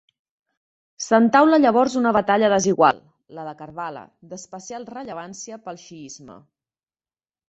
S'entaula llavors una batalla desigual, la de Karbala, d'especial rellevància pel xiisme.